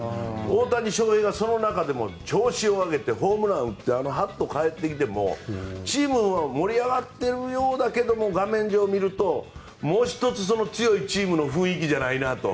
大谷翔平がその中でも調子を上げてホームランを打ってハットをかぶってもチームは盛り上がってるようだけど画面上を見るともう１つその強いチームの雰囲気じゃないなと。